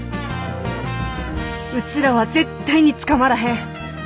うちらは絶対に捕まらへん。